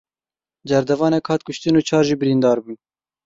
Cerdevanek hat kuştin û çar jî birîndar bûn.